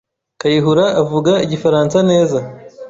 Kayihura avuga Igifaransa neza.